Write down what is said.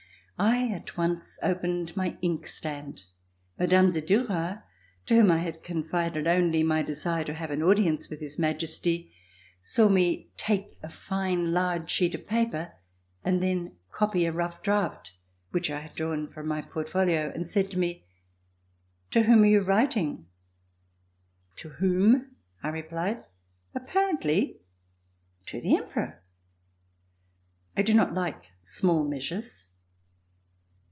I at once opened my ink stand. Mme. de Duras, to whom I had confided only my desire to have an audience with His Majesty, saw me take a fine large sheet of paper and then copy a rough draft which I had drawn from my portfolio, and said to me: "To whom are you writing.^" ''To whom?" I replied, "apparently to the Emperor. I do not like small measures."